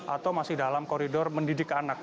atau masih dalam koridor mendidik anak